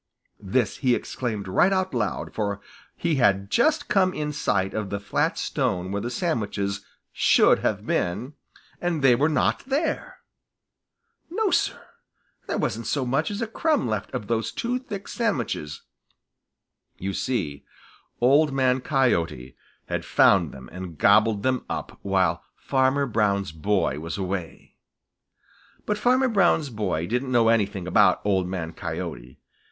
This he exclaimed right out loud, for he had just come in sight of the flat stone where the sandwiches should have been, and they were not there. No, Sir, there wasn't so much as a crumb left of those two thick sandwiches. You see, Old Man Coyote had found them and gobbled them up while Farmer Brown's boy was away. But Farmer Brown's boy didn't know anything about Old Man Coyote.